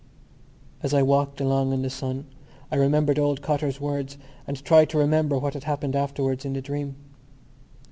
As I walked along in the sun I remembered old Cotter's words and tried to remember what had happened afterwards in the dream.